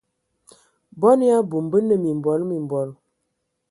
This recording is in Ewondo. Bɔn ya abum, bə nə mimbɔl mimbɔl.